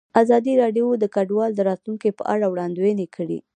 ازادي راډیو د کډوال د راتلونکې په اړه وړاندوینې کړې.